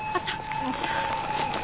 よいしょ。